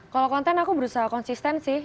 kalau konten aku berusaha konsisten sih